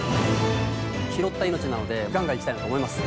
拾った命なのでガンガンいきたいなと思います。